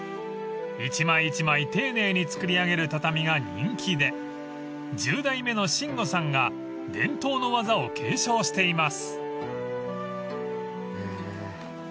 ［一枚一枚丁寧に作り上げる畳が人気で十代目の伸悟さんが伝統の技を継承しています］